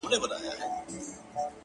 راته ژړا راسي’